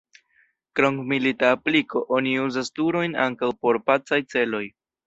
Krom milita apliko, oni uzas turojn ankaŭ por pacaj celoj.